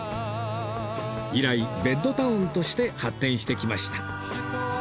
以来ベッドタウンとして発展してきました